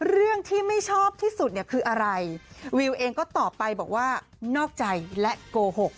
เรื่องที่ไม่ชอบที่สุดเนี่ยคืออะไรวิวเองก็ตอบไปบอกว่านอกใจและโกหก